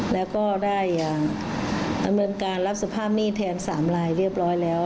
แล้วก็ได้ดำเนินการรับสภาพหนี้แทน๓ลายเรียบร้อยแล้ว